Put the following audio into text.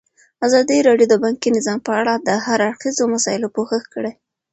ازادي راډیو د بانکي نظام په اړه د هر اړخیزو مسایلو پوښښ کړی.